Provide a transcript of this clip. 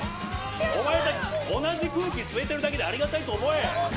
お前たち、同じ空気吸えてるだけでありがたいと思え。